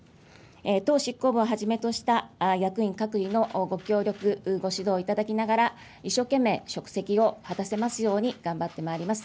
党執行部をはじめとした役員各位のご協力、ご指導いただきながら、一生懸命職責を果たせますように頑張ってまいります。